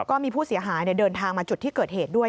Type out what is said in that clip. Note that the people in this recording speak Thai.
ก็มีผู้เสียหายเดินทางมาจุดที่เกิดเหตุด้วย